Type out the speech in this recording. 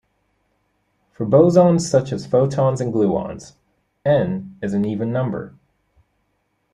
For bosons, such as photons and gluons, "n" is an even number.